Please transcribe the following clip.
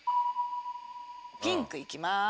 ピンクいきまーす